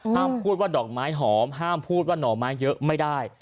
พูดว่าดอกไม้หอมห้ามพูดว่าหน่อไม้เยอะไม่ได้